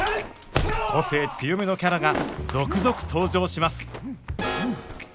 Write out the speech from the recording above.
個性強めのキャラが続々登場します